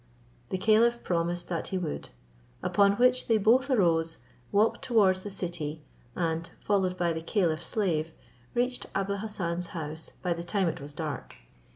The caliph promised that he would; upon which they both arose, walked towards the city, and, followed by the caliph's slave, reached Abou Hassan's house by the time it was dark.